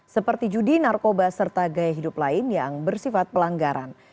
seperti judi narkoba serta gaya hidup lain yang bersifat pelanggaran